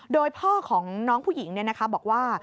โดยพ่อของน้องผู้หญิงบอกว่า